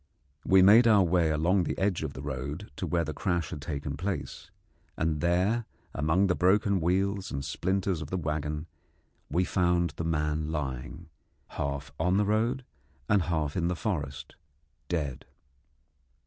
We made our way along the edge of the road to where the crash had taken place, and there among the broken wheels and splinters of the waggon we found the man lying, half on the road and half in the forest, dead.